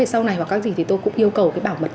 sau này tôi cũng yêu cầu bảo mật